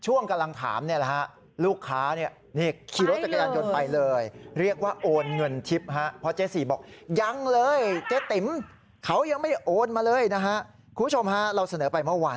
โอนมาเลยนะฮะคุณผู้ชมฮะเราเสนอไปเมื่อวาน